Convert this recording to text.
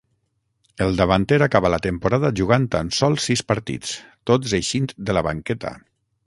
El davanter acaba la temporada jugant tan sols sis partits, tots eixint de la banqueta.